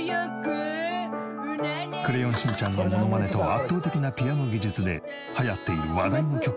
『クレヨンしんちゃん』のモノマネと圧倒的なピアノ技術で流行っている話題の曲を歌う。